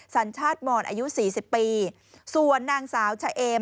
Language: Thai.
สัญชาติหมอนอายุ๔๐ปีส่วนนางสาวชะเอม